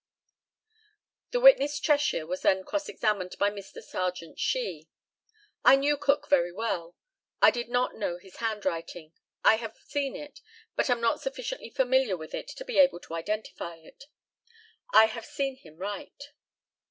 The witness Cheshire was then cross examined by Mr. Serjeant SHEE: I knew Cook very well. I did not know his handwriting. I have seen it, but am not sufficiently familiar with it to be able to identify it. I have seen him write.